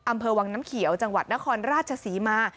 อำเภอวังน้ำเขียวจังหวัดนครราชศรีมา